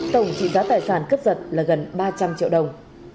tổng trị giá tài sản cướp giật là gần ba trăm linh triệu đồng